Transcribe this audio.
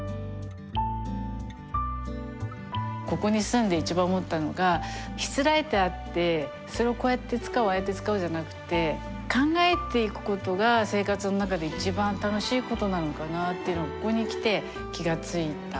ここに住んで一番思ったのがしつらえてあってそれをこうやって使おうああやって使うじゃなくて考えていくことが生活の中で一番楽しいことなのかなっていうのここに来て気が付いた。